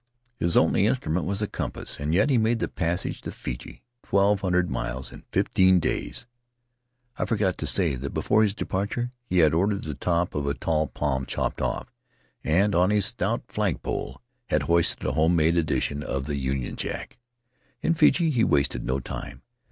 His only instrument was a compass, and yet he made the passage to Fiji — twelve hundred miles — in fifteen days. I forgot to say that before his departure he had ordered the top of a tall palm chopped off, and on this stout flagpole had hoisted a homemade edition of the Union Jack. In Fiji he wasted no time.